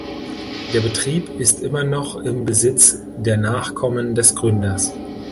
Der Betrieb ist immer noch im Besitz der Nachkommen des Gründers.